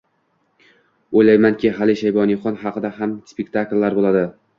O‘ylaymanki, hali Shayboniyxon haqida ham spektakllar bo‘ladi.